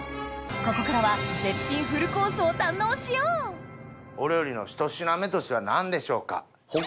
ここからは絶品フルコースを堪能しようお料理のひと品目としては何でしょうか？